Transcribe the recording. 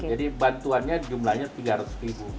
jadi bantuannya jumlahnya tiga ratus ribu